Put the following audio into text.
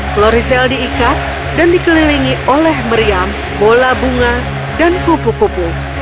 flori sale diikat dan dikelilingi oleh meriam bola bunga dan kupu kupu